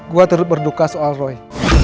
gue turut berduka soal roy